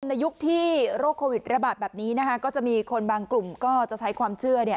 ในยุคที่โรคโควิดระบาดแบบนี้นะคะก็จะมีคนบางกลุ่มก็จะใช้ความเชื่อเนี่ย